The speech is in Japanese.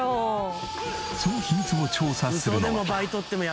その秘密を調査するのは。